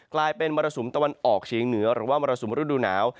กลายเป็นมรสุมตะวันออกเฉียงเหนือหรือว่ามรสุมฤดูหนาว